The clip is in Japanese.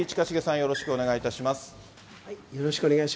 よろしくお願いします。